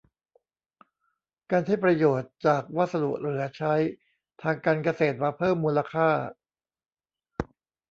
การใช้ประโยชน์จากวัสดุเหลือใช้ทางการเกษตรมาเพิ่มมูลค่า